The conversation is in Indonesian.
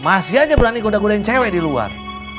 masih aja berani goda godain cewek di luar